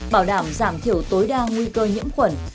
bảo đảm giảm thiểu tối đa nguy cơ nhiễm khuẩn